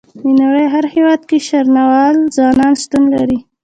د نړۍ هر هيواد کې شرنوال ځوانان شتون لري.